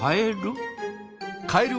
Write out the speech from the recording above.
カエル？